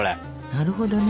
なるほどね。